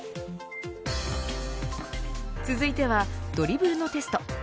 続いてはドリブルのテスト。